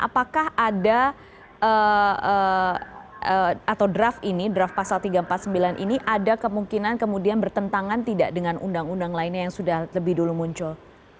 apakah ada atau draft ini draft pasal tiga ratus empat puluh sembilan ini ada kemungkinan kemudian bertentangan tidak dengan undang undang lainnya yang sudah lebih dulu muncul